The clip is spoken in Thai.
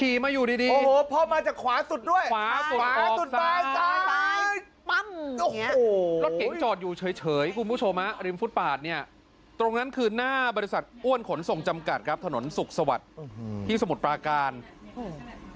ดีโอ้โหพ่อมาจากขวาสุดด้วยขวาสุดขวาสุดไปซ้ายปั้มโอ้โหรถเก๋งจอดอยู่เฉยเฉยคุณผู้ชมฮะริมฟุตปาดเนี่ยตรงนั้นคือหน้าบริษัทอ้วนขนส่งจำกัดครับถนนสุขสวัสดิ์ที่สมุทรปราการโอ้โห